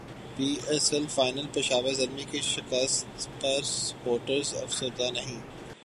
پی S L final Peshawar Zalmi کی شکست پر سپورٹرز افسردہ نہیں